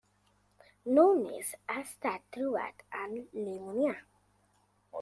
Només ha estat trobat en Livonià.